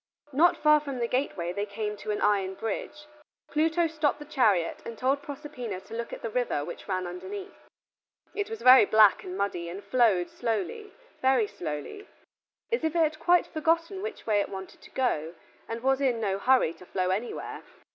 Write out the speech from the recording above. Not far from the gateway they came to an iron bridge. Pluto stopped the chariot and told Proserpina to look at the river which ran underneath. It was very black and muddy, and flowed slowly, very slowly, as if it had quite forgotten which way it wanted to go, and was in no hurry to flow anywhere.